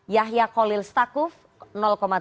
yahya kolil stakuf tujuh persen